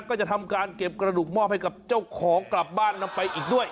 ก็จะทำการเก็บกระดูกมอบให้กับเจ้าของกลับบ้านนำไปอีกด้วย